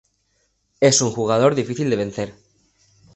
Es un jugador difícil de vencer.